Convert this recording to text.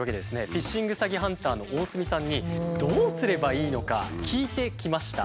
フィッシング詐欺ハンターの大角さんにどうすればいいのか聞いてきました。